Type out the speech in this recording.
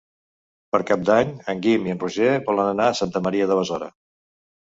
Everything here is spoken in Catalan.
Per Cap d'Any en Guim i en Roger volen anar a Santa Maria de Besora.